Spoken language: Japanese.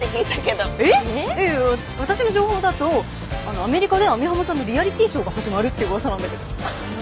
私の情報だとアメリカで網浜さんのリアリティーショーが始まるってうわさなんだけど。